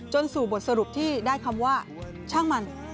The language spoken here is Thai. สู่บทสรุปที่ได้คำว่าช่างมัน